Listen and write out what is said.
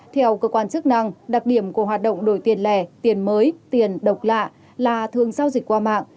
theo cơ quan chức năng đặc điểm của hoạt động đổi tiền lẻ tiền mới tiền độc lạ là thường giao dịch qua mạng